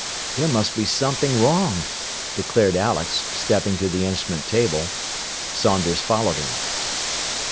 "There must be something wrong," declared Alex, stepping to the instrument table. Saunders followed him.